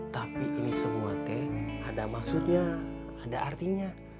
tapi ini semua teh ada maksudnya ada artinya